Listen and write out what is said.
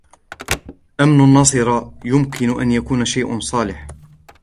أمن الناصرة يمكن أن يكون شيء صالح ؟